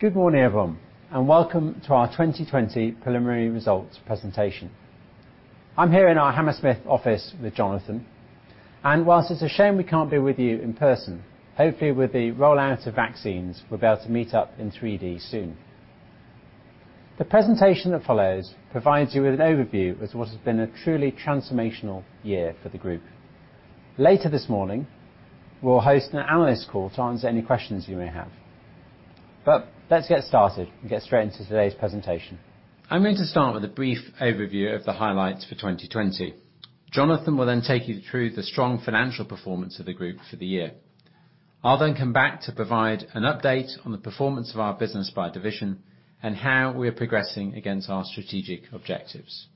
Good morning, everyone. Welcome to our 2020 preliminary results presentation. I'm here in our Hammersmith office with Jonathan. Whilst it's a shame we can't be with you in person, hopefully with the rollout of vaccines, we'll be able to meet up in 3D soon. The presentation that follows provides you with an overview of what has been a truly transformational year for the group. Later this morning, we'll host an analyst call to answer any questions you may have. Let's get started and get straight into today's presentation. I'm going to start with a brief overview of the highlights for 2020. Jonathan will take you through the strong financial performance of the group for the year. I'll come back to provide an update on the performance of our business by division, and how we are progressing against our strategic objectives.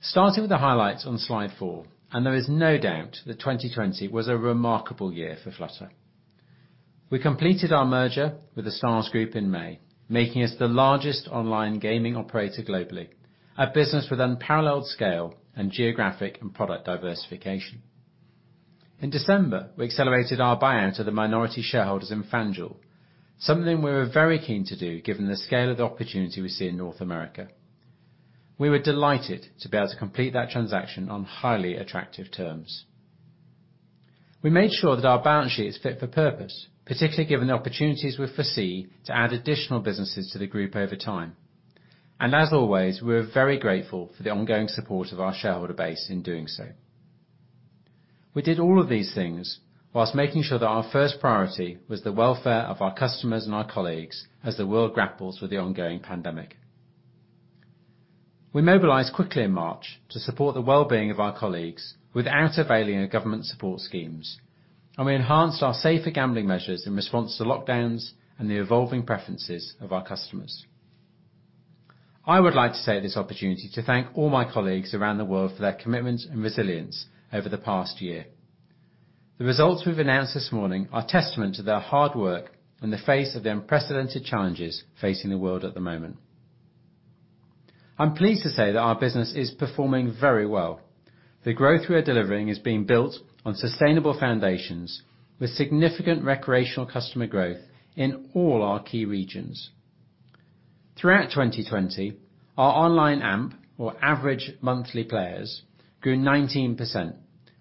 Starting with the highlights on slide four, there is no doubt that 2020 was a remarkable year for Flutter. We completed our merger with The Stars Group in May, making us the largest online gaming operator globally. A business with unparalleled scale and geographic and product diversification. In December, we accelerated our buyout of the minority shareholders in FanDuel, something we were very keen to do given the scale of the opportunity we see in North America. We were delighted to be able to complete that transaction on highly attractive terms. We made sure that our balance sheet is fit for purpose, particularly given the opportunities we foresee to add additional businesses to the group over time. As always, we're very grateful for the ongoing support of our shareholder base in doing so. We did all of these things whilst making sure that our first priority was the welfare of our customers and our colleagues as the world grapples with the ongoing pandemic. We mobilized quickly in March to support the well-being of our colleagues without availing of government support schemes, and we enhanced our safer gambling measures in response to lockdowns and the evolving preferences of our customers. I would like to take this opportunity to thank all my colleagues around the world for their commitment and resilience over the past year. The results we've announced this morning are testament to their hard work in the face of the unprecedented challenges facing the world at the moment. I'm pleased to say that our business is performing very well. The growth we are delivering is being built on sustainable foundations with significant recreational customer growth in all our key regions. Throughout 2020, our online AMP, or average monthly players, grew 19%,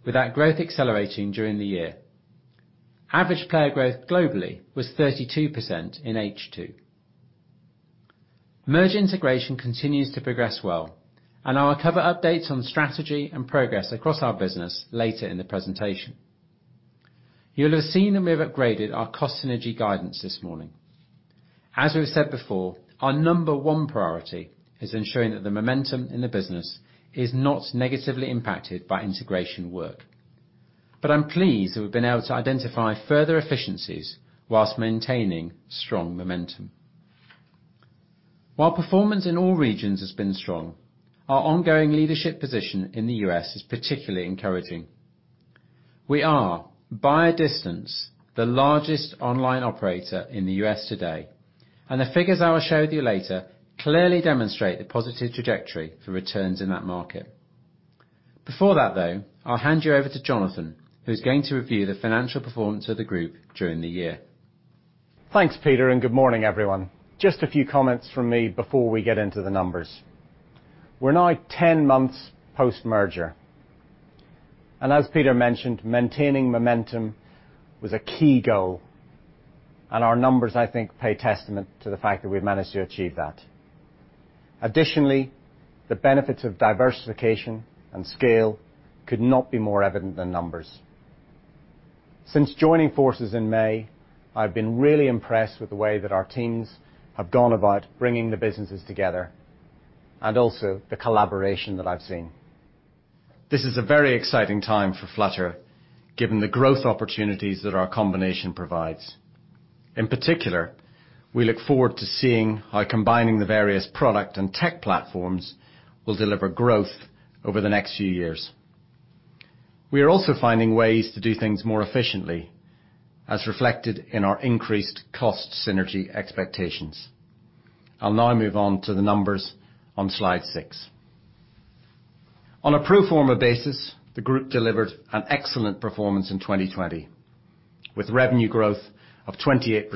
with that growth accelerating during the year. Average player growth globally was 32% in H2. Merge integration continues to progress well. I will cover updates on strategy and progress across our business later in the presentation. You'll have seen that we have upgraded our cost synergy guidance this morning. As we have said before, our number one priority is ensuring that the momentum in the business is not negatively impacted by integration work. I'm pleased that we've been able to identify further efficiencies whilst maintaining strong momentum. While performance in all regions has been strong, our ongoing leadership position in the U.S. is particularly encouraging. We are, by a distance, the largest online operator in the U.S. today. The figures I will share with you later clearly demonstrate the positive trajectory for returns in that market. Before that, though, I'll hand you over to Jonathan, who's going to review the financial performance of the group during the year. Thanks, Peter. Good morning, everyone. Just a few comments from me before we get into the numbers. We're now 10 months post-merger, and as Peter mentioned, maintaining momentum was a key goal, and our numbers, I think, pay testament to the fact that we've managed to achieve that. Additionally, the benefits of diversification and scale could not be more evident in numbers. Since joining forces in May, I've been really impressed with the way that our teams have gone about bringing the businesses together, and also the collaboration that I've seen. This is a very exciting time for Flutter, given the growth opportunities that our combination provides. In particular, we look forward to seeing how combining the various product and tech platforms will deliver growth over the next few years. We are also finding ways to do things more efficiently, as reflected in our increased cost synergy expectations. I'll now move on to the numbers on slide six. On a pro forma basis, the group delivered an excellent performance in 2020, with revenue growth of 28%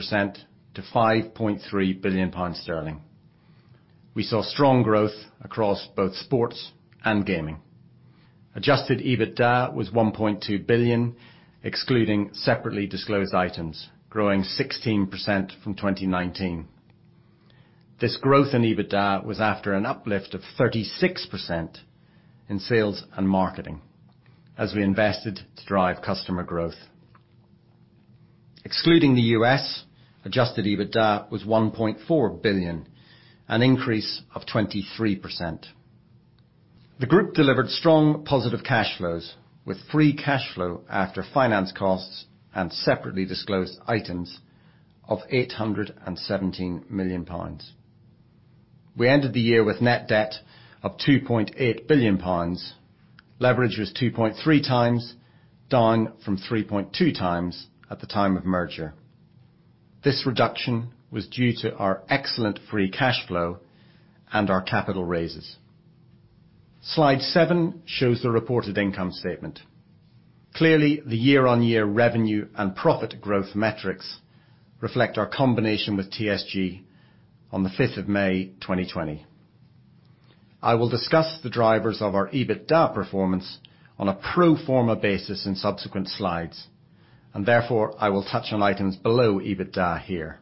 to 5.3 billion sterling. We saw strong growth across both sports and gaming. Adjusted EBITDA was 1.2 billion, excluding Separately Disclosed Items, growing 16% from 2019. This growth in EBITDA was after an uplift of 36% in sales and marketing as we invested to drive customer growth. Excluding the US, Adjusted EBITDA was 1.4 billion, an increase of 23%. The group delivered strong positive cash flows with free cash flow after finance costs and Separately Disclosed Items of 817 million pounds. We ended the year with net debt of 2.8 billion pounds. Leverage was 2.3x, down from 3.2x at the time of merger. This reduction was due to our excellent free cash flow and our capital raises. Slide seven shows the reported income statement. Clearly, the year-on-year revenue and profit growth metrics reflect our combination with TSG on the 5th of May 2020. I will discuss the drivers of our EBITDA performance on a pro forma basis in subsequent slides, and therefore, I will touch on items below EBITDA here.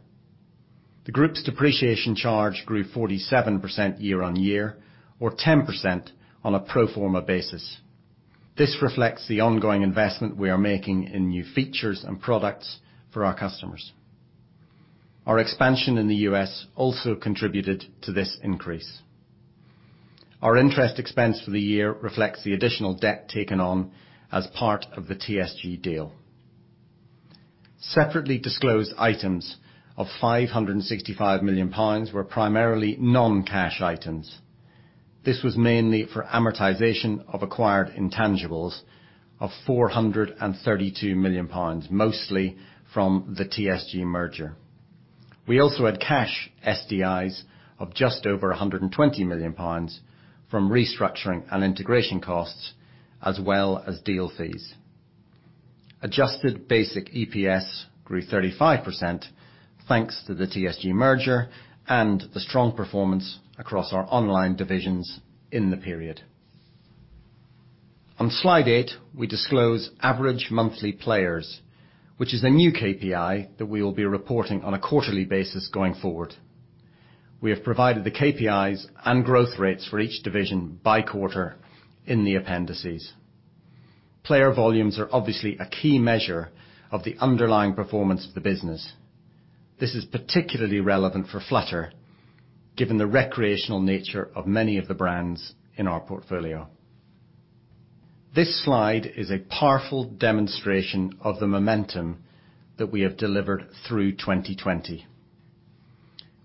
The group's depreciation charge grew 47% year-on-year or 10% on a pro forma basis. This reflects the ongoing investment we are making in new features and products for our customers. Our expansion in the U.S. also contributed to this increase. Our interest expense for the year reflects the additional debt taken on as part of the TSG deal. Separately Disclosed Items of 565 million pounds were primarily non-cash items. This was mainly for amortization of acquired intangibles of 432 million pounds, mostly from the TSG merger. We also had cash SDIs of just over 120 million pounds from restructuring and integration costs, as well as deal fees. Adjusted basic EPS grew 35% thanks to the TSG merger and the strong performance across our online divisions in the period. On slide eight, we disclose average monthly players, which is a new KPI that we will be reporting on a quarterly basis going forward. We have provided the KPIs and growth rates for each division by quarter in the appendices. Player volumes are obviously a key measure of the underlying performance of the business. This is particularly relevant for Flutter, given the recreational nature of many of the brands in our portfolio. This slide is a powerful demonstration of the momentum that we have delivered through 2020.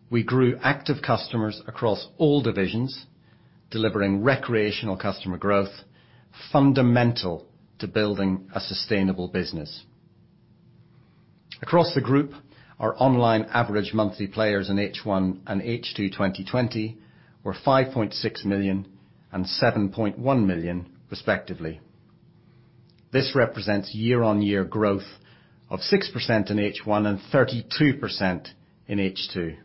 We grew active customers across all divisions, delivering recreational customer growth fundamental to building a sustainable business. Across the group, our online average monthly players in H1 and H2 2020 were 5.6 million and 7.1 million respectively. This represents year-on-year growth of 6% in H1 and 32% in H2.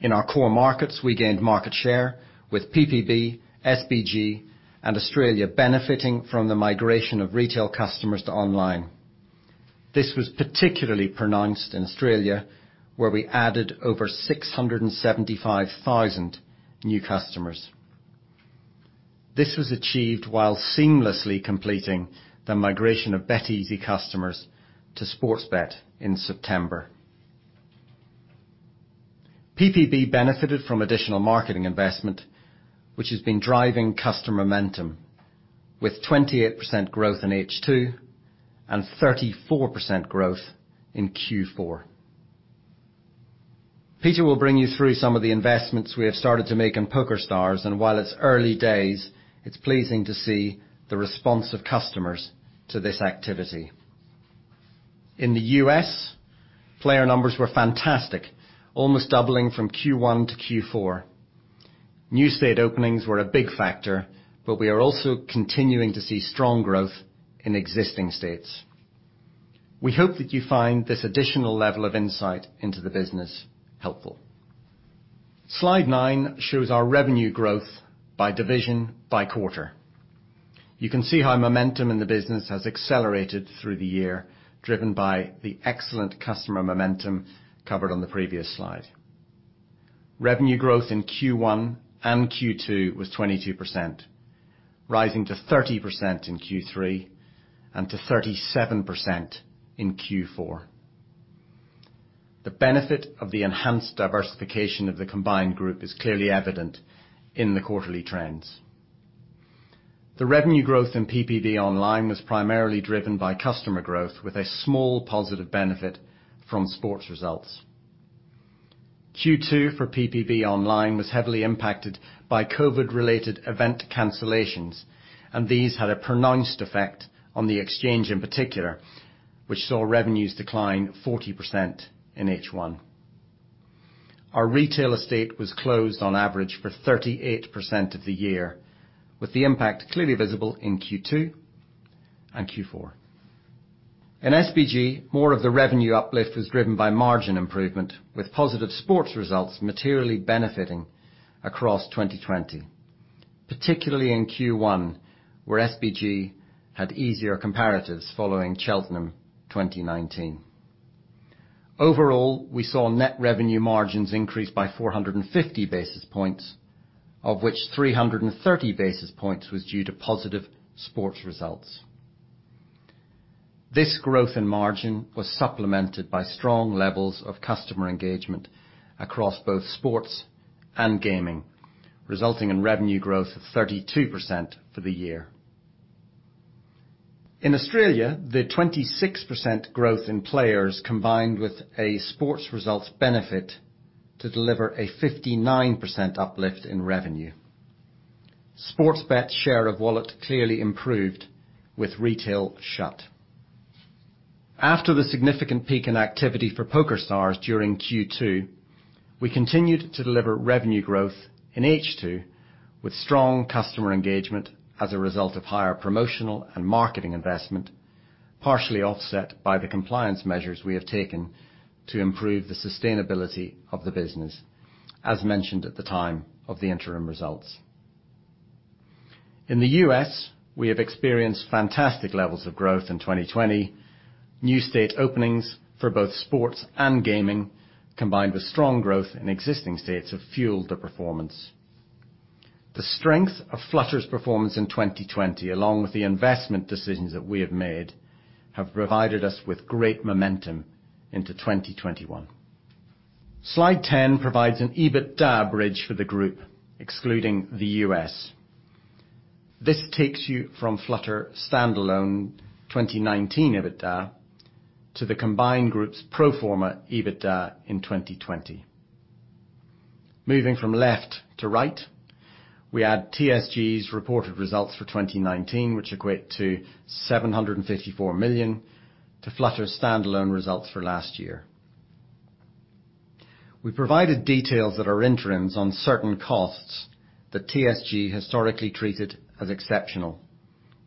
In our core markets, we gained market share with PPB, SBG, and Australia benefiting from the migration of retail customers to online. This was particularly pronounced in Australia, where we added over 675,000 new customers. This was achieved while seamlessly completing the migration of BetEasy customers to Sportsbet in September. PPB benefited from additional marketing investment, which has been driving customer momentum with 28% growth in H2 and 34% growth in Q4. Peter will bring you through some of the investments we have started to make in PokerStars, and while it's early days, it's pleasing to see the response of customers to this activity. In the U.S., player numbers were fantastic, almost doubling from Q1- Q4. New state openings were a big factor, we are also continuing to see strong growth in existing states. We hope that you find this additional level of insight into the business helpful. Slide nine shows our revenue growth by division, by quarter. You can see how momentum in the business has accelerated through the year, driven by the excellent customer momentum covered on the previous slide. Revenue growth in Q1 and Q2 was 22%, rising to 30% in Q3 and to 37% in Q4. The benefit of the enhanced diversification of the combined group is clearly evident in the quarterly trends. The revenue growth in PPB Online was primarily driven by customer growth, with a small positive benefit from sports results. Q2 for PPB Online was heavily impacted by COVID-related event cancellations, and these had a pronounced effect on the Exchange in particular, which saw revenues decline 40% in H1. Our retail estate was closed on average for 38% of the year, with the impact clearly visible in Q2 and Q4. In SBG, more of the revenue uplift was driven by margin improvement, with positive sports results materially benefiting across 2020, particularly in Q1, where SBG had easier comparatives following Cheltenham 2019. Overall, we saw net revenue margins increase by 450 basis points, of which 330 basis points was due to positive sports results. This growth in margin was supplemented by strong levels of customer engagement across both sports and gaming, resulting in revenue growth of 32% for the year. In Australia, the 26% growth in players combined with a sports results benefit to deliver a 59% uplift in revenue. Sportsbet's share of wallet clearly improved with retail shut. After the significant peak in activity for PokerStars during Q2, we continued to deliver revenue growth in H2 with strong customer engagement as a result of higher promotional and marketing investment, partially offset by the compliance measures we have taken to improve the sustainability of the business, as mentioned at the time of the interim results. In the U.S., we have experienced fantastic levels of growth in 2020. New state openings for both sports and gaming, combined with strong growth in existing states, have fueled the performance. The strength of Flutter's performance in 2020, along with the investment decisions that we have made, have provided us with great momentum into 2021. Slide 10 provides an EBITDA bridge for the group, excluding the U.S. This takes you from Flutter standalone 2019 EBITDA to the combined groups pro forma EBITDA in 2020. Moving from left to right, we add TSG's reported results for 2019, which equate to 754 million, to Flutter's standalone results for last year. We provided details at our interims on certain costs that TSG historically treated as exceptional,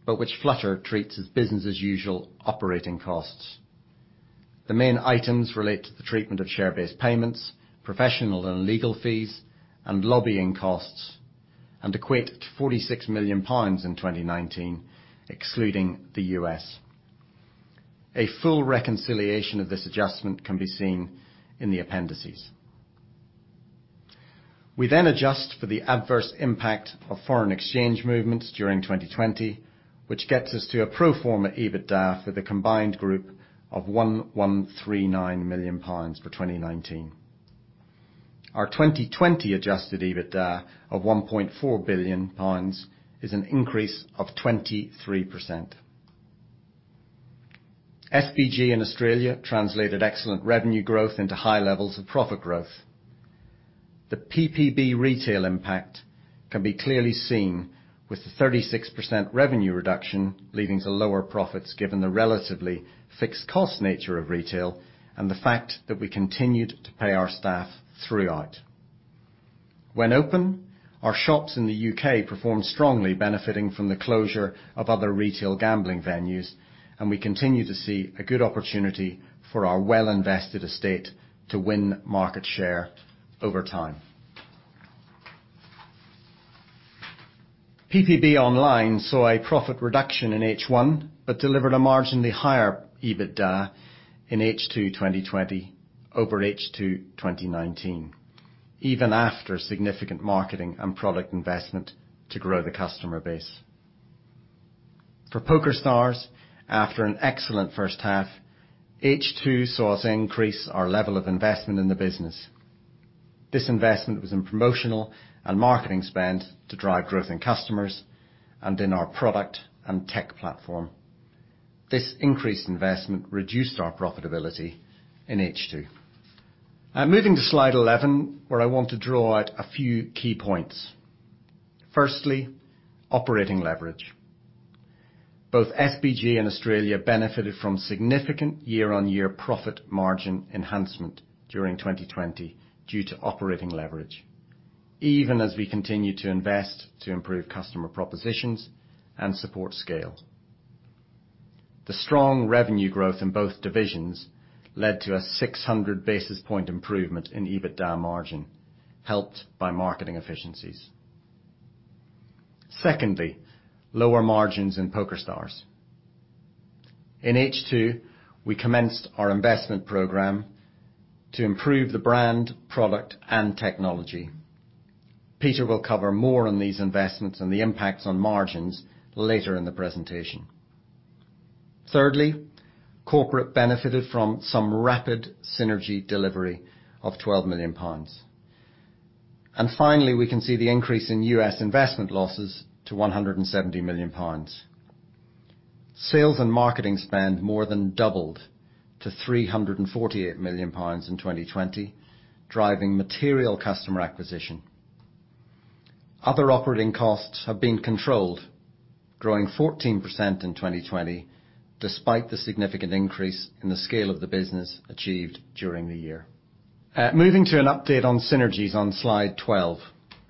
but which Flutter treats as business-as-usual operating costs. The main items relate to the treatment of share-based payments, professional and legal fees, and lobbying costs, and equate to 46 million pounds in 2019, excluding the U.S. A full reconciliation of this adjustment can be seen in the appendices. We then adjust for the adverse impact of foreign exchange movements during 2020, which gets us to a pro forma EBITDA for the combined group of 1,139 million pounds for 2019. Our 2020 Adjusted EBITDA of 1.4 billion pounds is an increase of 23%. SBG in Australia translated excellent revenue growth into high levels of profit growth. The PPB retail impact can be clearly seen with the 36% revenue reduction leading to lower profits, given the relatively fixed cost nature of retail and the fact that we continued to pay our staff throughout. When open, our shops in the U.K. performed strongly, benefiting from the closure of other retail gambling venues, and we continue to see a good opportunity for our well-invested estate to win market share over time. PPB Online saw a profit reduction in H1, but delivered a marginally higher EBITDA in H2 2020 over H2 2019, even after significant marketing and product investment to grow the customer base. For PokerStars, after an excellent first half, H2 saw us increase our level of investment in the business. This investment was in promotional and marketing spend to drive growth in customers and in our product and tech platform. This increased investment reduced our profitability in H2. Moving to slide 11, where I want to draw out a few key points. Firstly, operating leverage. Both SBG and Australia benefited from significant year-on-year profit margin enhancement during 2020 due to operating leverage, even as we continued to invest to improve customer propositions and support scale. The strong revenue growth in both divisions led to a 600 basis point improvement in EBITDA margin, helped by marketing efficiencies. Secondly, lower margins in PokerStars. In H2, we commenced our investment program to improve the brand, product, and technology. Peter will cover more on these investments and the impacts on margins later in the presentation. Thirdly, corporate benefited from some rapid synergy delivery of 12 million pounds. Finally, we can see the increase in US. investment losses to 170 million pounds. Sales and marketing spend more than doubled to 348 million pounds in 2020, driving material customer acquisition. Other operating costs have been controlled, growing 14% in 2020, despite the significant increase in the scale of the business achieved during the year. Moving to an update on synergies on slide 12.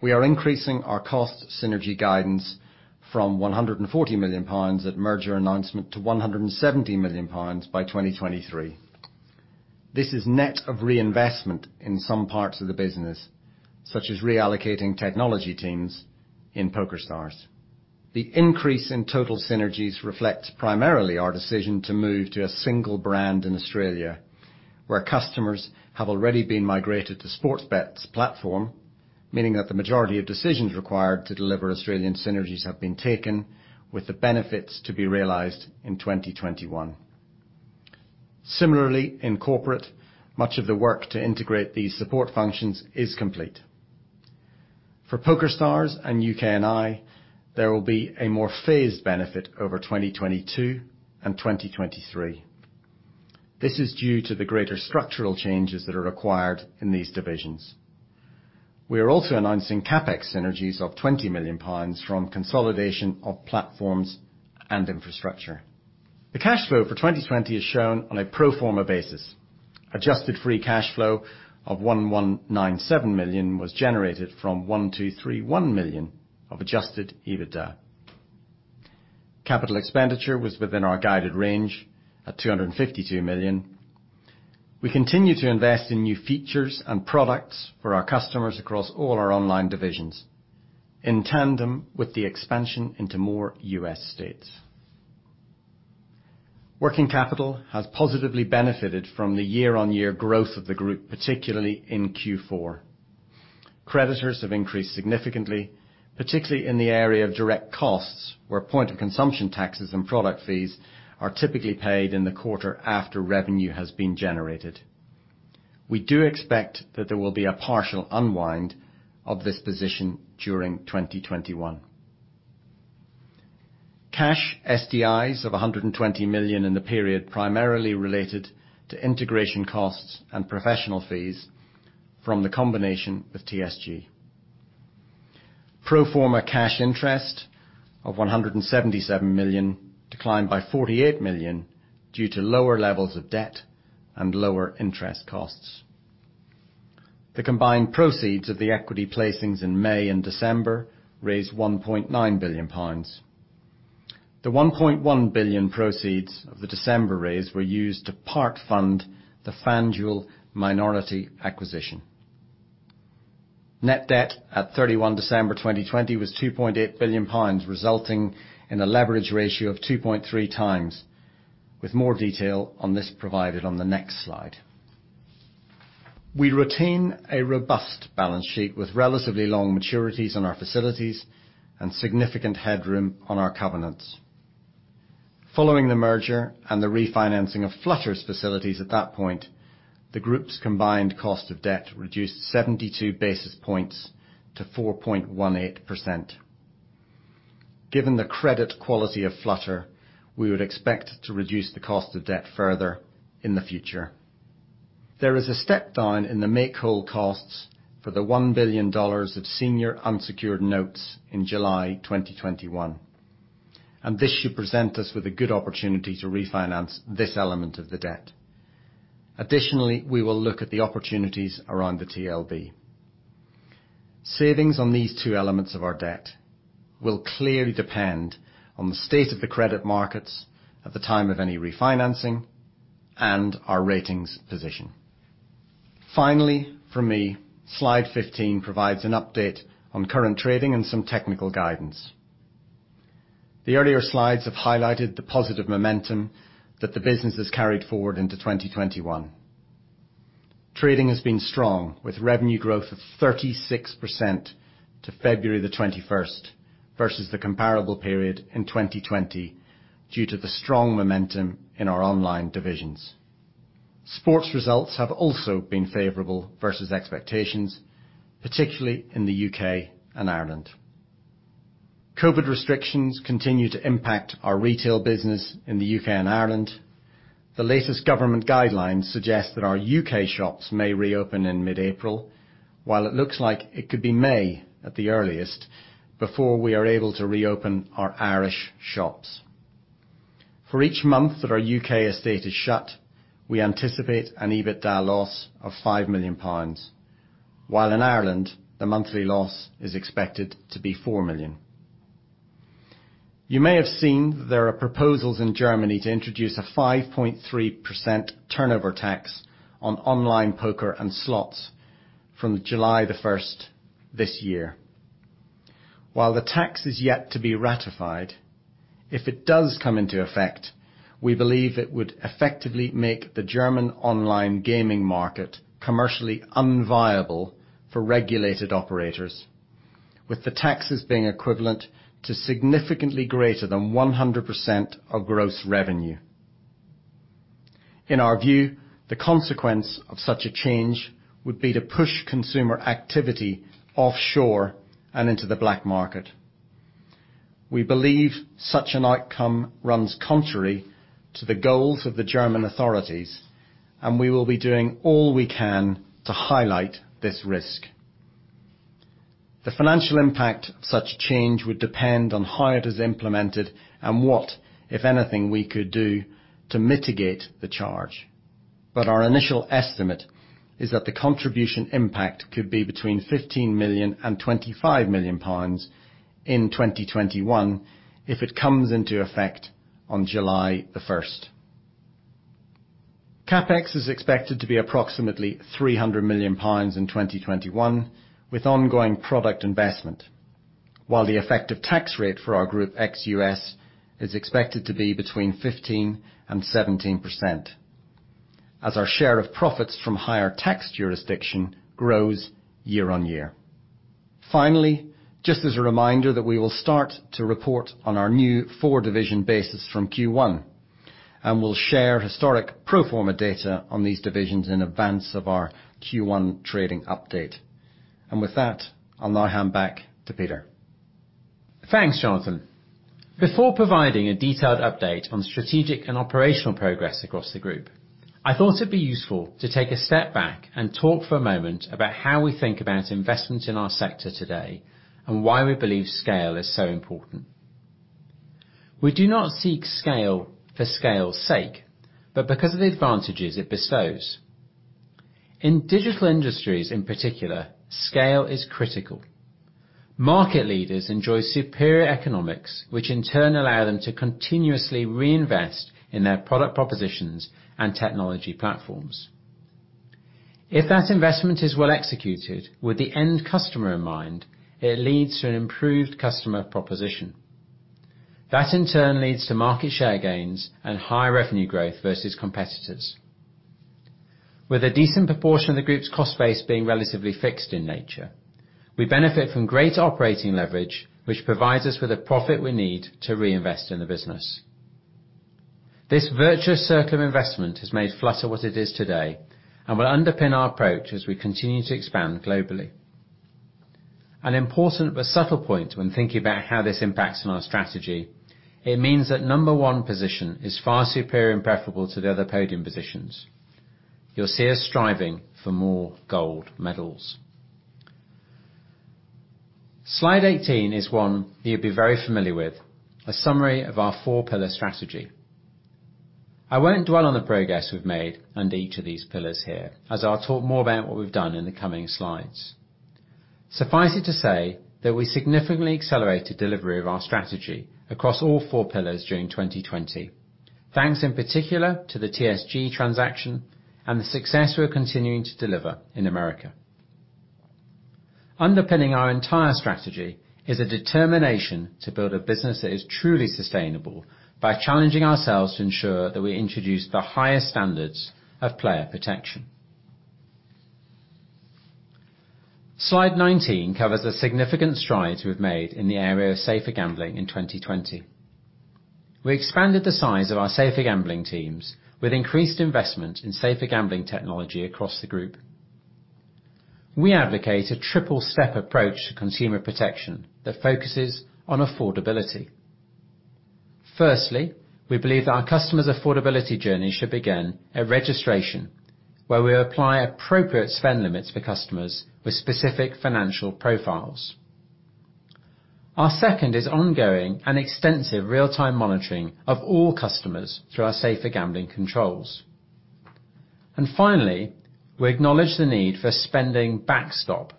We are increasing our cost synergy guidance from 140 million pounds at merger announcement to 170 million pounds by 2023. This is net of reinvestment in some parts of the business, such as reallocating technology teams in PokerStars. The increase in total synergies reflects primarily our decision to move to a single brand in Australia, where customers have already been migrated to Sportsbet's platform, meaning that the majority of decisions required to deliver Australian synergies have been taken with the benefits to be realized in 2021. Similarly, in corporate, much of the work to integrate these support functions is complete. For PokerStars and UK&I, there will be a more phased benefit over 2022 and 2023. This is due to the greater structural changes that are required in these divisions. We are also announcing CapEx synergies of 20 million pounds from consolidation of platforms and infrastructure. The cash flow for 2020 is shown on a pro forma basis. Adjusted free cash flow of 1,197 million was generated from 1,231 million of Adjusted EBITDA. Capital expenditure was within our guided range at 252 million. We continue to invest in new features and products for our customers across all our online divisions, in tandem with the expansion into more U.S. states. Working capital has positively benefited from the year-on-year growth of the group, particularly in Q4. Creditors have increased significantly, particularly in the area of direct costs, where point-of-consumption taxes and product fees are typically paid in the quarter after revenue has been generated. We do expect that there will be a partial unwind of this position during 2021. Cash SDIs of 120 million in the period primarily related to integration costs and professional fees from the combination with TSG. Pro forma cash interest of 177 million declined by 48 million due to lower levels of debt and lower interest costs. The combined proceeds of the equity placings in May and December raised 1.9 billion pounds. The 1.1 billion proceeds of the December raise were used to part-fund the FanDuel minority acquisition. Net debt at December 31 2020 was 2.8 billion pounds, resulting in a leverage ratio of 2.3x, with more detail on this provided on the next slide. We retain a robust balance sheet with relatively long maturities on our facilities and significant headroom on our covenants. Following the merger and the refinancing of Flutter's facilities at that point, the group's combined cost of debt reduced 72 basis points to 4.18%. Given the credit quality of Flutter, we would expect to reduce the cost of debt further in the future. There is a step-down in the make-whole costs for the $1 billion of senior unsecured notes in July 2021, and this should present us with a good opportunity to refinance this element of the debt. Additionally, we will look at the opportunities around the TLB. Savings on these two elements of our debt will clearly depend on the state of the credit markets at the time of any refinancing and our ratings position. Finally, from me, slide 15 provides an update on current trading and some technical guidance. The earlier slides have highlighted the positive momentum that the business has carried forward into 2021. Trading has been strong, with revenue growth of 36% to February the 21st versus the comparable period in 2020 due to the strong momentum in our online divisions. Sports results have also been favorable versus expectations, particularly in the U.K. and Ireland. COVID restrictions continue to impact our retail business in the U.K. and Ireland. The latest government guidelines suggest that our U.K. shops may reopen in mid-April, while it looks like it could be May at the earliest before we are able to reopen our Irish shops. For each month that our U.K. estate is shut, we anticipate an EBITDA loss of 5 million pounds, while in Ireland, the monthly loss is expected to be 4 million. You may have seen there are proposals in Germany to introduce a 5.3% turnover tax on online poker and slots from July the 1st this year. While the tax is yet to be ratified, if it does come into effect, we believe it would effectively make the German online gaming market commercially unviable for regulated operators, with the taxes being equivalent to significantly greater than 100% of gross revenue. In our view, the consequence of such a change would be to push consumer activity offshore and into the black market. We believe such an outcome runs contrary to the goals of the German authorities, and we will be doing all we can to highlight this risk. The financial impact of such change would depend on how it is implemented and what, if anything, we could do to mitigate the charge. Our initial estimate is that the contribution impact could be between 15 million and 25 million pounds in 2021 if it comes into effect on July the 1st. CapEx is expected to be approximately 300 million pounds in 2021, with ongoing product investment. While the effective tax rate for our group ex-US is expected to be between 15% and 17%, as our share of profits from higher tax jurisdiction grows year on year. Finally, just as a reminder that we will start to report on our new four-division basis from Q1, and we'll share historic pro forma data on these divisions in advance of our Q1 trading update. With that, I'll now hand back to Peter. Thanks, Jonathan. Before providing a detailed update on strategic and operational progress across the group, I thought it'd be useful to take a step back and talk for a moment about how we think about investment in our sector today, and why we believe scale is so important. We do not seek scale for scale's sake, but because of the advantages it bestows. In digital industries, in particular, scale is critical. Market leaders enjoy superior economics, which in turn allow them to continuously reinvest in their product propositions and technology platforms. If that investment is well executed with the end customer in mind, it leads to an improved customer proposition. That in turn leads to market share gains and higher revenue growth versus competitors. With a decent proportion of the group's cost base being relatively fixed in nature, we benefit from great operating leverage, which provides us with a profit we need to reinvest in the business. This virtuous circle of investment has made Flutter what it is today and will underpin our approach as we continue to expand globally. An important but subtle point when thinking about how this impacts on our strategy, it means that number one position is far superior and preferable to the other podium positions. You'll see us striving for more gold medals. Slide 18 is one you'll be very familiar with, a summary of our four-pillar strategy. I won't dwell on the progress we've made under each of these pillars here, as I'll talk more about what we've done in the coming slides. Suffice it to say that we significantly accelerated delivery of our strategy across all four pillars during 2020, thanks in particular to the TSG transaction and the success we're continuing to deliver in America. Underpinning our entire strategy is a determination to build a business that is truly sustainable by challenging ourselves to ensure that we introduce the highest standards of player protection. Slide 19 covers the significant strides we've made in the area of safer gambling in 2020. We expanded the size of our safer gambling teams with increased investment in safer gambling technology across the group. We advocate a triple-step approach to consumer protection that focuses on affordability. Firstly, we believe that our customers' affordability journey should begin at registration, where we apply appropriate spend limits for customers with specific financial profiles. Our second is ongoing and extensive real-time monitoring of all customers through our safer gambling controls. Finally, we acknowledge the need for spending backstop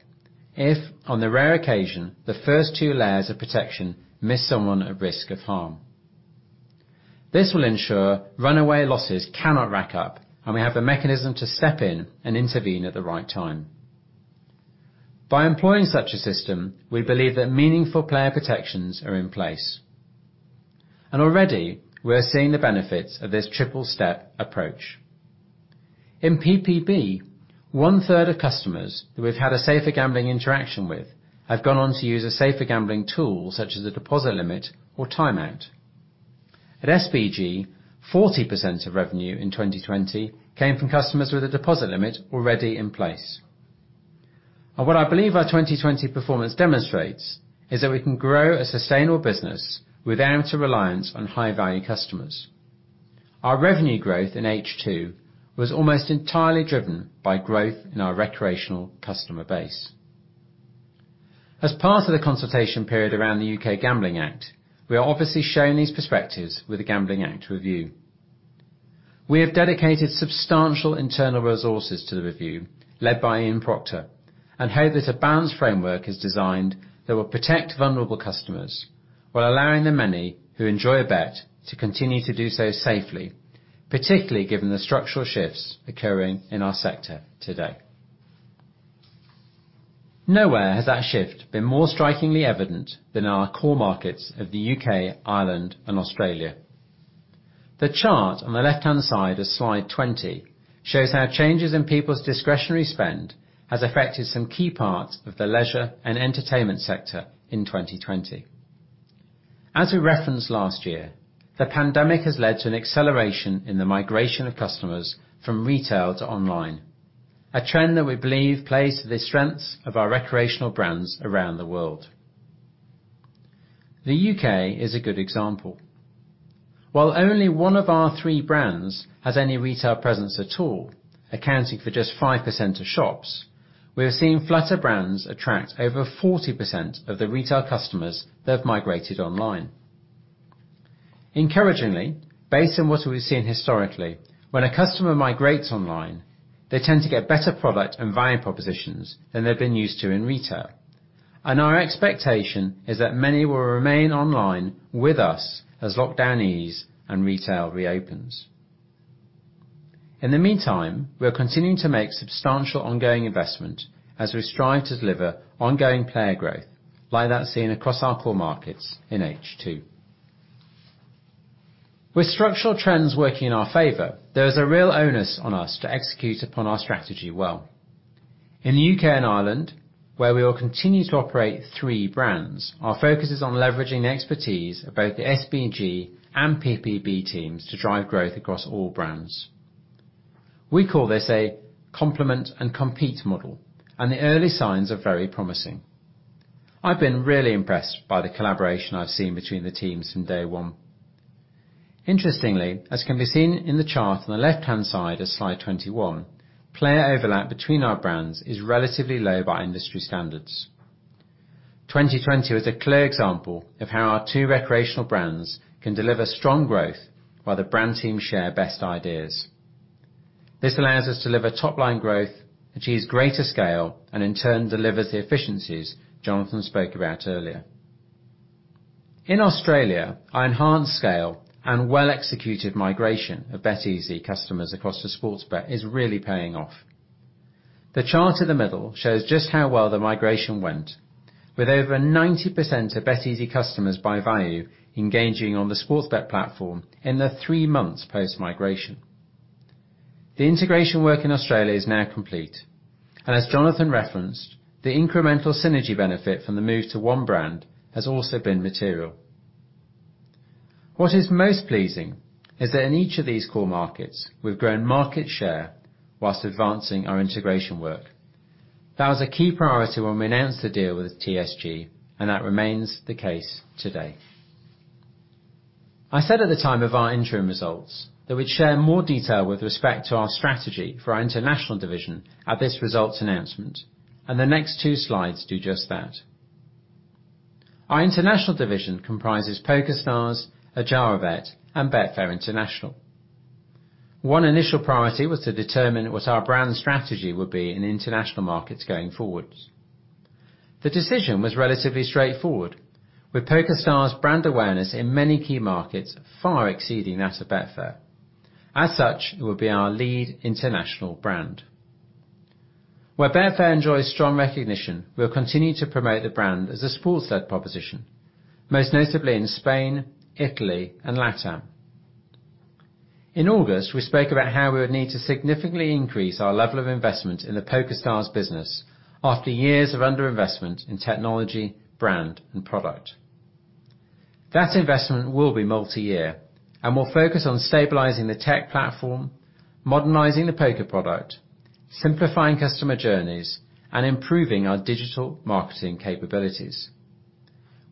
if, on the rare occasion, the first two layers of protection miss someone at risk of harm. This will ensure runaway losses cannot rack up, and we have the mechanism to step in and intervene at the right time. By employing such a system, we believe that meaningful player protections are in place, and already we're seeing the benefits of this triple-step approach. In PPB, one-third of customers who we've had a safer gambling interaction with have gone on to use a safer gambling tool, such as a deposit limit or timeout. At SBG, 40% of revenue in 2020 came from customers with a deposit limit already in place. What I believe our 2020 performance demonstrates is that we can grow a sustainable business without a reliance on high-value customers. Our revenue growth in H2 was almost entirely driven by growth in our recreational customer base. As part of the consultation period around the U.K. Gambling Act, we are obviously sharing these perspectives with the Gambling Act review. We have dedicated substantial internal resources to the review led by Ian Proctor, and hope that a balanced framework is designed that will protect vulnerable customers while allowing the many who enjoy a bet to continue to do so safely, particularly given the structural shifts occurring in our sector today. Nowhere has that shift been more strikingly evident than in our core markets of the U.K., Ireland, and Australia. The chart on the left-hand side of slide 20 shows how changes in people's discretionary spend has affected some key parts of the leisure and entertainment sector in 2020. As we referenced last year, the pandemic has led to an acceleration in the migration of customers from retail to online, a trend that we believe plays to the strengths of our recreational brands around the world. The U.K. is a good example. While only one of our three brands has any retail presence at all, accounting for just 5% of shops, we are seeing Flutter brands attract over 40% of the retail customers that have migrated online. Encouragingly, based on what we've seen historically, when a customer migrates online, they tend to get better product and value propositions than they've been used to in retail, and our expectation is that many will remain online with us as lockdown ease and retail reopens. In the meantime, we are continuing to make substantial ongoing investment as we strive to deliver ongoing player growth like that seen across our core markets in H2. With structural trends working in our favor, there is a real onus on us to execute upon our strategy well. In the U.K. and Ireland, where we will continue to operate three brands, our focus is on leveraging the expertise of both the SBG and PPB teams to drive growth across all brands. We call this a complement and compete model, and the early signs are very promising. I've been really impressed by the collaboration I've seen between the teams from day one. Interestingly, as can be seen in the chart on the left-hand side of slide 21, player overlap between our brands is relatively low by industry standards. 2020 was a clear example of how our two recreational brands can deliver strong growth while the brand teams share best ideas. This allows us to deliver top-line growth, achieve greater scale, and in turn, delivers the efficiencies Jonathan spoke about earlier. In Australia, our enhanced scale and well-executed migration of BetEasy customers across to Sportsbet is really paying off. The chart in the middle shows just how well the migration went, with over 90% of BetEasy customers by value engaging on the Sportsbet platform in the three months post-migration. The integration work in Australia is now complete, and as Jonathan referenced, the incremental synergy benefit from the move to one brand has also been material. What is most pleasing is that in each of these core markets, we've grown market share whilst advancing our integration work. That was a key priority when we announced the deal with TSG. That remains the case today. I said at the time of our interim results that we'd share more detail with respect to our strategy for our international division at this results announcement. The next two slides do just that. Our international division comprises PokerStars, Adjarabet, and Betfair International. One initial priority was to determine what our brand strategy would be in international markets going forward. The decision was relatively straightforward, with PokerStars' brand awareness in many key markets far exceeding that of Betfair. As such, it will be our lead international brand. Where Betfair enjoys strong recognition, we'll continue to promote the brand as a sports-led proposition, most notably in Spain, Italy, and LATAM. In August, we spoke about how we would need to significantly increase our level of investment in PokerStars after years of underinvestment in technology, brand, and product. That investment will be multi-year and will focus on stabilizing the tech platform, modernizing the poker product, simplifying customer journeys, and improving our digital marketing capabilities.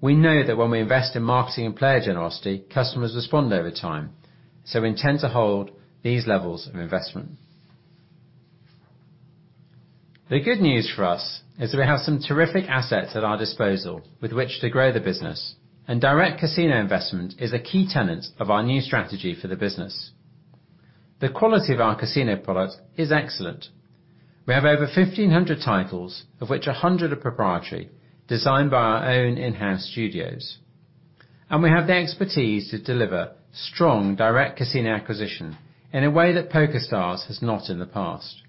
We know that when we invest in marketing and player generosity, customers respond over time, so we intend to hold these levels of investment. The good news for us is that we have some terrific assets at our disposal with which to grow the business, and direct casino investment is a key tenet of our new strategy for the business. The quality of our casino product is excellent. We have over 1,500 titles, of which 100 are proprietary, designed by our own in-house studios. We have the expertise to deliver strong direct casino acquisition in a way that PokerStars has not in the past.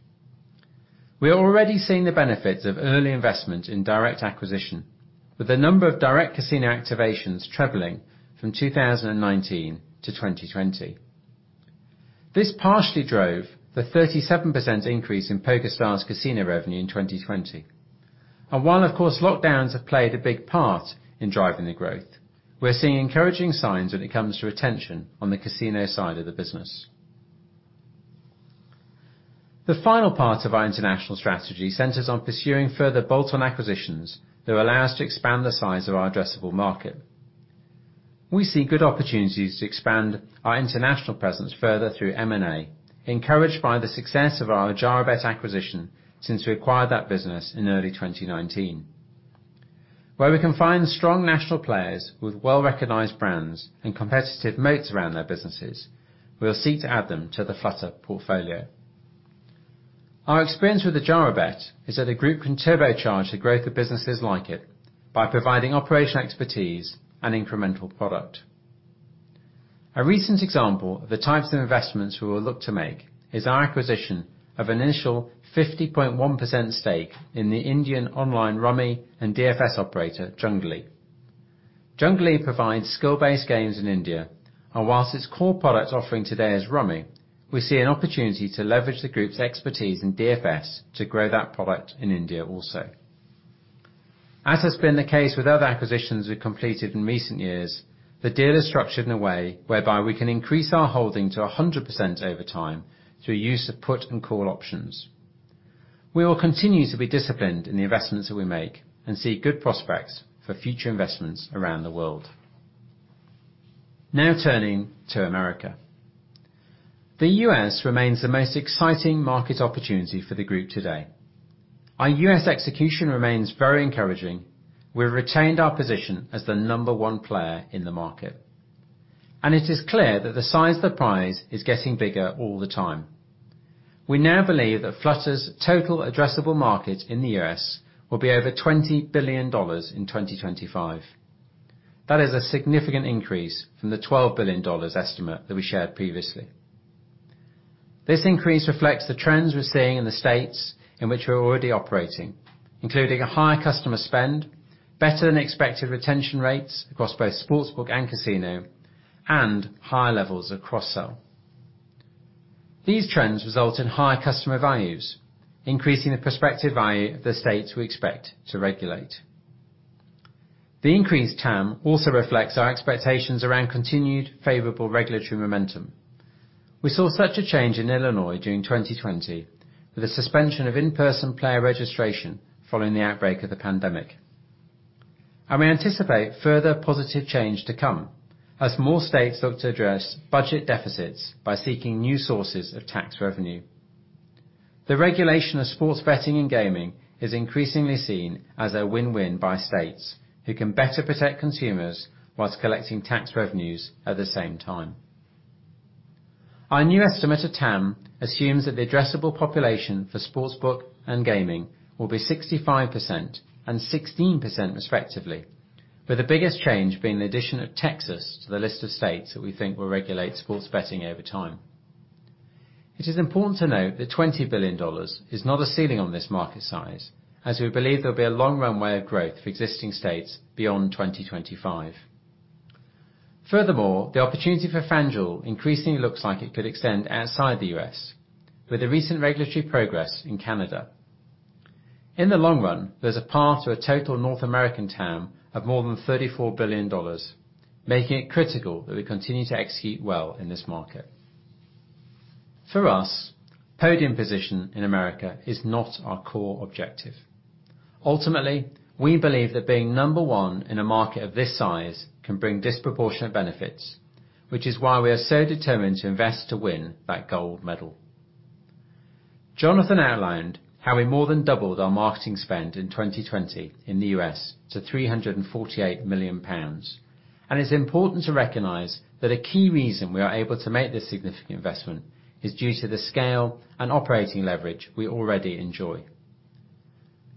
We are already seeing the benefits of early investment in direct acquisition, with the number of direct casino activations trebling from 2019-2020. This partially drove the 37% increase in PokerStars casino revenue in 2020. While, of course, lockdowns have played a big part in driving the growth, we're seeing encouraging signs when it comes to retention on the casino side of the business. The final part of our international strategy centers on pursuing further bolt-on acquisitions that will allow us to expand the size of our addressable market. We see good opportunities to expand our international presence further through M&A, encouraged by the success of our Adjarabet acquisition since we acquired that business in early 2019. Where we can find strong national players with well-recognized brands and competitive moats around their businesses, we will seek to add them to the Flutter portfolio. Our experience with Adjarabet is that the group can turbocharge the growth of businesses like it by providing operational expertise and incremental product. A recent example of the types of investments we will look to make is our acquisition of an initial 50.1% stake in the Indian online rummy and DFS operator Junglee. Junglee provides skill-based games in India, and whilst its core product offering today is rummy, we see an opportunity to leverage the group's expertise in DFS to grow that product in India also. As has been the case with other acquisitions we've completed in recent years, the deal is structured in a way whereby we can increase our holding to 100% over time through use of put and call options. We will continue to be disciplined in the investments that we make and see good prospects for future investments around the world. Now turning to America. The U.S. remains the most exciting market opportunity for the group today. Our U.S. execution remains very encouraging. We've retained our position as the number one player in the market, and it is clear that the size of the prize is getting bigger all the time. We now believe that Flutter's total addressable market in the U.S. will be over GBP 20 billion in 2025. That is a significant increase from the GBP 12 billion estimate that we shared previously. This increase reflects the trends we're seeing in the states in which we're already operating, including a higher customer spend, better-than-expected retention rates across both sportsbook and casino, and higher levels of cross-sell. These trends result in higher customer values, increasing the prospective value of the states we expect to regulate. The increased TAM also reflects our expectations around continued favorable regulatory momentum. We saw such a change in Illinois during 2020, with the suspension of in-person player registration following the outbreak of the pandemic. We anticipate further positive change to come as more states look to address budget deficits by seeking new sources of tax revenue. The regulation of sports betting and gaming is increasingly seen as a win-win by states who can better protect consumers while collecting tax revenues at the same time. Our new estimate of TAM assumes that the addressable population for sportsbook and gaming will be 65% and 16%, respectively, with the biggest change being the addition of Texas to the list of states that we think will regulate sports betting over time. It is important to note that GBP 20 billion is not a ceiling on this market size, as we believe there will be a long runway of growth for existing states beyond 2025. Furthermore, the opportunity for FanDuel increasingly looks like it could extend outside the U.S., with the recent regulatory progress in Canada. In the long run, there's a path to a total North American TAM of more than GBP 34 billion, making it critical that we continue to execute well in this market. For us, podium position in America is not our core objective. Ultimately, we believe that being number one in a market of this size can bring disproportionate benefits, which is why we are so determined to invest to win that gold medal. Jonathan outlined how we more than doubled our marketing spend in 2020 in the U.S. to 348 million pounds. It's important to recognize that a key reason we are able to make this significant investment is due to the scale and operating leverage we already enjoy.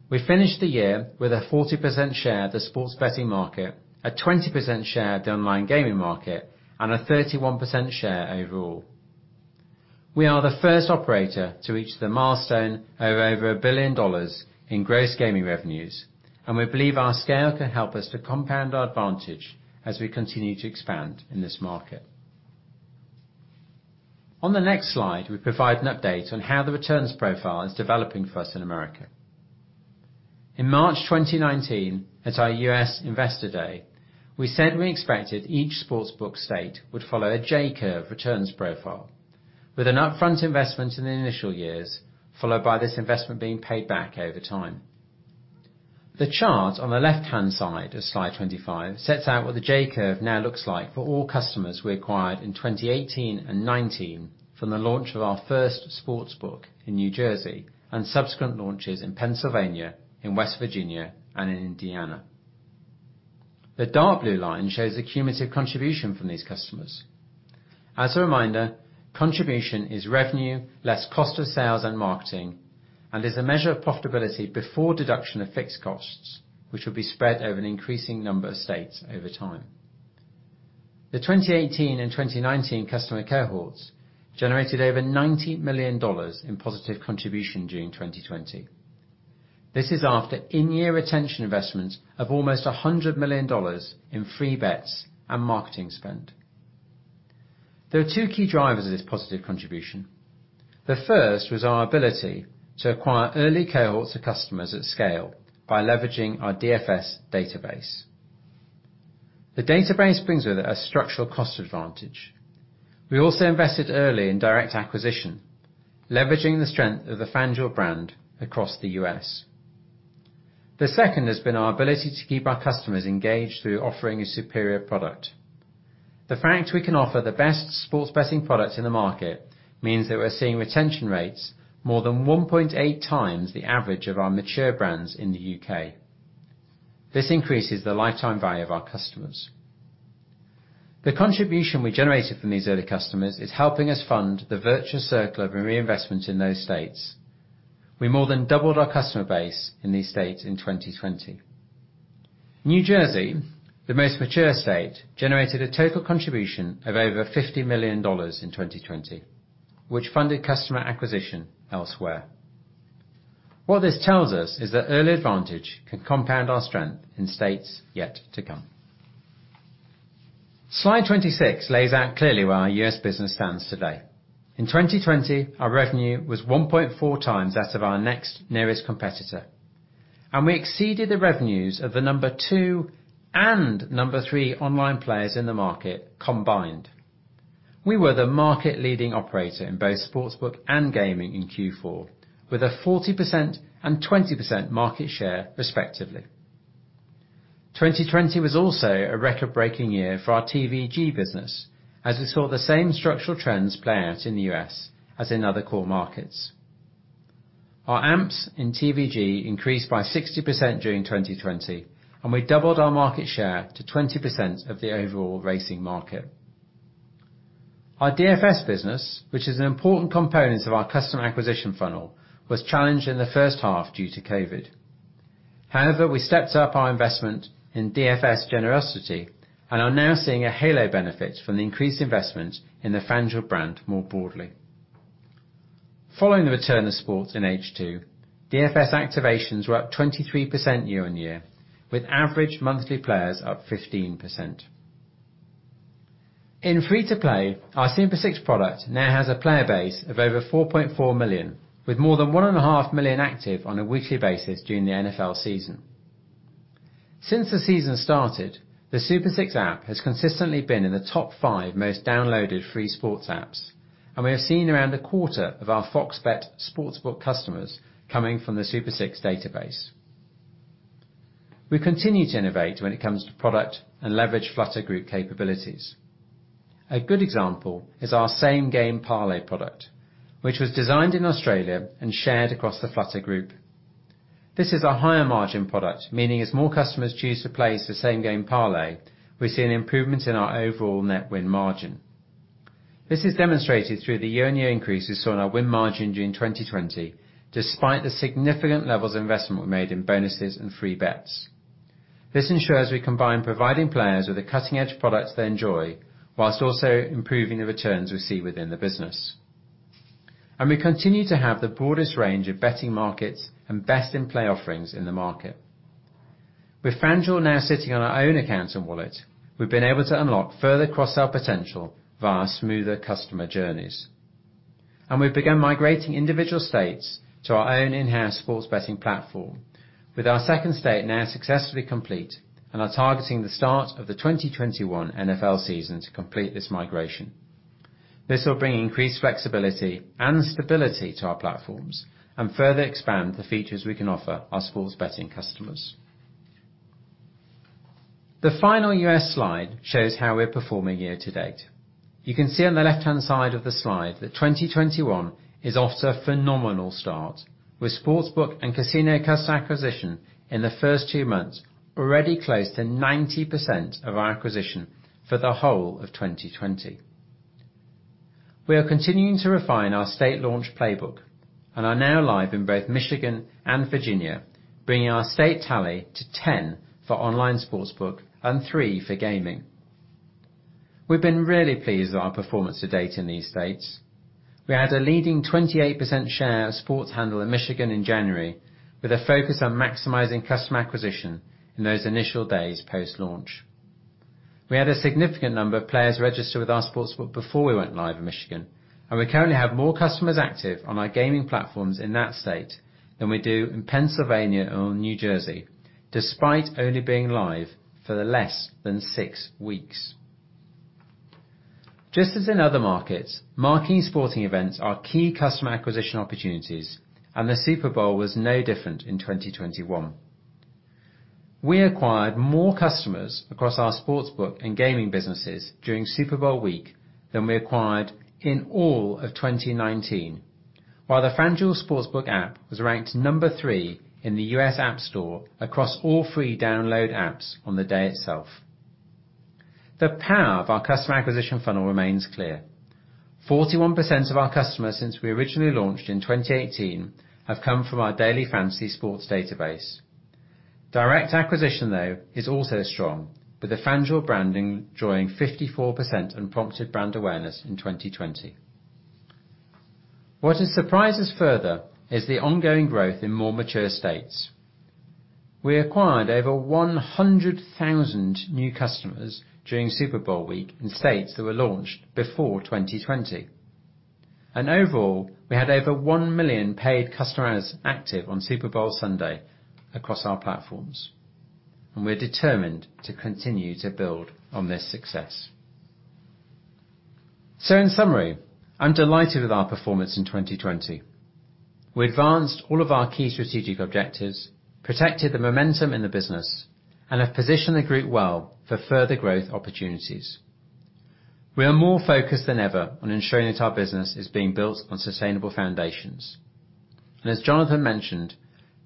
We finished the year with a 40% share of the sports betting market, a 20% share of the online gaming market, and a 31% share overall. We are the first operator to reach the milestone of over $1 billion in gross gaming revenues, and we believe our scale can help us to compound our advantage as we continue to expand in this market. On the next slide, we provide an update on how the returns profile is developing for us in America. In March 2019, at our U.S. Investor Day, we said we expected each sportsbook state would follow a J-curve returns profile, with an upfront investment in the initial years, followed by this investment being paid back over time. The chart on the left-hand side of slide 25 sets out what the J-curve now looks like for all customers we acquired in 2018 and 2019 from the launch of our first sportsbook in New Jersey and subsequent launches in Pennsylvania, in West Virginia, and in Indiana. The dark blue line shows the cumulative contribution from these customers. As a reminder, contribution is revenue, less cost of sales and marketing, and is a measure of profitability before deduction of fixed costs, which will be spread over an increasing number of states over time. The 2018 and 2019 customer cohorts generated over GBP 90 million in positive contribution during 2020. This is after in-year retention investments of almost GBP 100 million in free bets and marketing spend. There are two key drivers of this positive contribution. The first was our ability to acquire early cohorts of customers at scale by leveraging our DFS database. The database brings with it a structural cost advantage. We also invested early in direct acquisition, leveraging the strength of the FanDuel brand across the U.S. The second has been our ability to keep our customers engaged through offering a superior product. The fact we can offer the best sports betting product in the market means that we're seeing retention rates more than 1.8x the average of our mature brands in the U.K. This increases the lifetime value of our customers. The contribution we generated from these early customers is helping us fund the virtuous circle of reinvestment in those states. We more than doubled our customer base in these states in 2020. New Jersey, the most mature state, generated a total contribution of over $50 million in 2020, which funded customer acquisition elsewhere. What this tells us is that early advantage can compound our strength in states yet to come. Slide 26 lays out clearly where our US business stands today. In 2020, our revenue was 1.4x that of our next nearest competitor, and we exceeded the revenues of the number two and number three online players in the market combined. We were the market leading operator in both sportsbook and gaming in Q4, with a 40% and 20% market share, respectively. 2020 was also a record-breaking year for our TVG business as we saw the same structural trends play out in the U.S. as in other core markets. Our AMPs in TVG increased by 60% during 2020, and we doubled our market share to 20% of the overall racing market. Our DFS business, which is an important component of our customer acquisition funnel, was challenged in the first half due to COVID. However, we stepped up our investment in DFS generosity and are now seeing a halo benefit from the increased investment in the FanDuel brand more broadly. Following the return of sport in H2, DFS activations were up 23% year-over-year, with average monthly players up 15%. In free-to-play, our Super 6 product now has a player base of over 4.4 million, with more than 1.5 Million active on a weekly basis during the NFL season. Since the season started, the Super 6 app has consistently been in the top five most downloaded free sports apps, and we have seen around a quarter of our FOX Bet sports book customers coming from the Super 6 database. We continue to innovate when it comes to product and leverage Flutter Group capabilities. A good example is our Same Game Parlay product, which was designed in Australia and shared across the Flutter Group. This is a higher margin product, meaning as more customers choose to place the Same Game Parlay, we see an improvement in our overall net win margin. This is demonstrated through the year-on-year increase we saw in our win margin during 2020, despite the significant levels of investment we made in bonuses and free bets. This ensures we combine providing players with a cutting-edge product they enjoy, whilst also improving the returns we see within the business. We continue to have the broadest range of betting markets and best in-play offerings in the market. With FanDuel now sitting on our own accounts and wallet, we've been able to unlock further cross-sell potential via smoother customer journeys. We've begun migrating individual states to our own in-house sports betting platform, with our second state now successfully complete, and are targeting the start of the 2021 NFL season to complete this migration. This will bring increased flexibility and stability to our platforms and further expand the features we can offer our sports betting customers. The final US slide shows how we're performing year-to-date. You can see on the left-hand side of the slide that 2021 is off to a phenomenal start, with sportsbook and casino customer acquisition in the first two months already close to 90% of our acquisition for the whole of 2020. We are continuing to refine our state launch playbook and are now live in both Michigan and Virginia, bringing our state tally to 10 for online sportsbook and three for gaming. We've been really pleased with our performance to date in these states. We had a leading 28% share of sports handle in Michigan in January, with a focus on maximizing customer acquisition in those initial days post-launch. We had a significant number of players register with our sportsbook before we went live in Michigan, and we currently have more customers active on our gaming platforms in that state than we do in Pennsylvania or New Jersey, despite only being live for less than six weeks. Just as in other markets, marquee sporting events are key customer acquisition opportunities, and the Super Bowl was no different in 2021. We acquired more customers across our sports book and gaming businesses during Super Bowl week than we acquired in all of 2019. While the FanDuel sportsbook app was ranked number three in the US App Store across all free download apps on the day itself. The power of our customer acquisition funnel remains clear. 41% of our customers since we originally launched in 2018 have come from our daily fantasy sports database. Direct acquisition, though, is also strong, with the FanDuel branding drawing 54% in prompted brand awareness in 2020. What has surprised us further is the ongoing growth in more mature states. We acquired over 100,000 new customers during Super Bowl week in states that were launched before 2020. Overall, we had over 1 million paid customers active on Super Bowl Sunday across our platforms, and we're determined to continue to build on this success. In summary, I'm delighted with our performance in 2020. We advanced all of our key strategic objectives, protected the momentum in the business, and have positioned the group well for further growth opportunities. We are more focused than ever on ensuring that our business is being built on sustainable foundations. As Jonathan mentioned,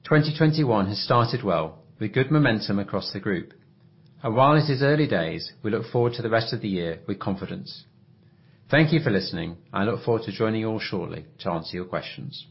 2021 has started well, with good momentum across the group. While it is early days, we look forward to the rest of the year with confidence. Thank you for listening. I look forward to joining you all shortly to answer your questions.